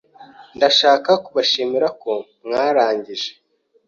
Ndashaka kubashimira ko mwarangije.